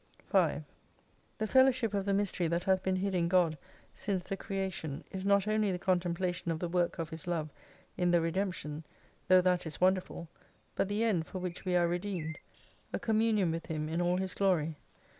5 The fellowship of the mystery that hath been hid in God since the creation is not only the contemplation of the work of His Love in the redemption, tho' that is wonderful, but the end for which we are redeemed ; a communion with Him in all His Glory.